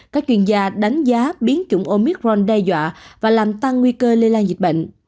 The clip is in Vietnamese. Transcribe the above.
các chuyên gia đánh giá biến chủng omicron đe dọa và làm tăng nguy cơ lây lan dịch bệnh